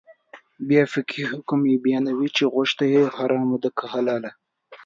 بیا فقهي حکم یې بیانوي چې غوښه یې حرامه ده که حلاله.